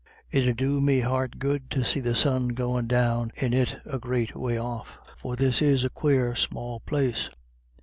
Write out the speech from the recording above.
It 'ud do me heart good to see the sun goin' down in it a great way off, for this is a quare small place.